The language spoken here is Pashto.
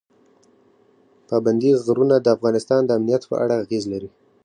پابندي غرونه د افغانستان د امنیت په اړه اغېز لري.